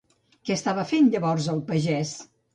Què estava fent llavors el pagès?